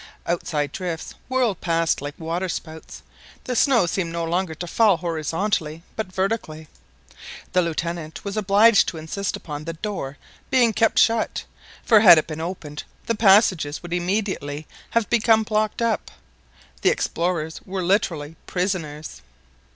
Outside drifts whirled past like waterspouts the snow seemed no longer to fall horizontally but vertically. The Lieutenant was obliged to insist upon the door being kept shut, for had it been opened the passages would immediately have become blocked up. The explorers were literally prisoners.